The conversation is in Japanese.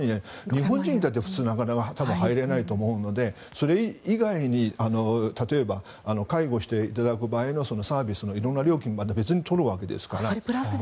日本人だって普通なかなか入れないと思うのでそれ以外に例えば、介護していただく場合のサービスの色んな料金をまた別に取るわけですから。